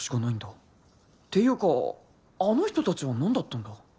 ていうかあの人たちは何だったんだ？